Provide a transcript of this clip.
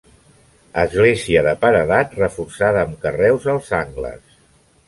Església de paredat reforçada amb carreus als angles.